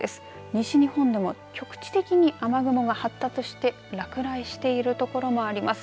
西日本でも局地的に雨雲が発達して落雷しているところもあります。